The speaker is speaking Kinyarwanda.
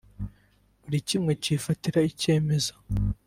buri kimwe cyifatira icyemezo